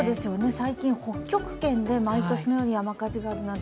最近、北極圏で毎年のように山火事があります。